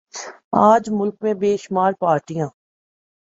آج ملک میں بے شمار پارٹیاں